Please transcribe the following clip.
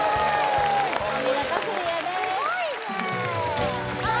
お見事クリアですさあ